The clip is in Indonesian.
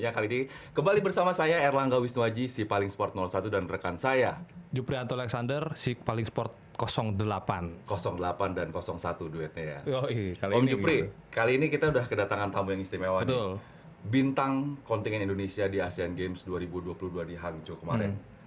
kami sudah mendapatkan tamu istimewa di bintang kontingen indonesia di asean games dua ribu dua puluh dua di hangzhou kemarin